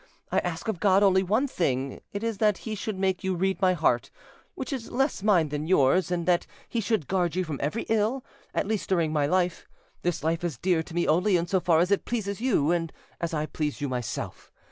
I ask of God only one thing: it is that He should make you read my heart, which is less mine than yours, and that He should guard you from every ill, at least during my life: this life is dear to me only in so far as it pleases you, and as I please you myself.